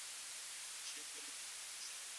د تمدنونو تحول څه ډول دی؟